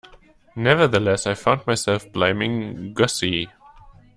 Nevertheless, I found myself blaming Gussie.